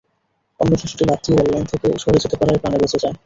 অন্য শিশুটি লাফ দিয়ে রেললাইন থেকে সরে যেতে পারায় প্রাণে বেঁচে যায়।